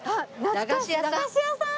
駄菓子屋さん？